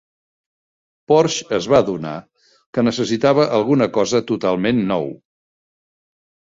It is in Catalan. Porsche es va adonar que necessitava alguna cosa totalment nou.